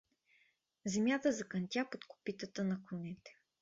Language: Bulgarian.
Земята закънтя под копитата на конете.